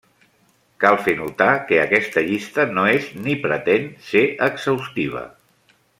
Cal fer notar que aquesta llista no és ni pretén ser exhaustiva.